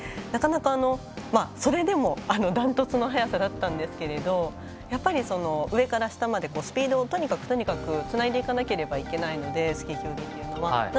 なかなか、それでもダントツの速さだったんですけれどもやっぱり上から下までスピードをとにかくつないでいかなければいけないので、スキー競技は。